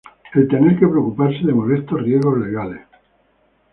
el tener que preocuparse de molestos riesgos legales